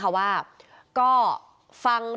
เพราะลักษณะคือเหมือนจะรู้ความเคลื่อนไหวของวัด